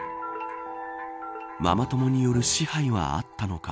ママ友による支配はあったのか。